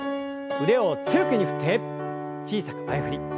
腕を強く振って小さく前振り。